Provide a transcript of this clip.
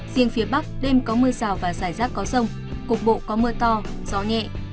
riêng phía bắc đêm có mưa rào và rải rác có rông cục bộ có mưa to gió nhẹ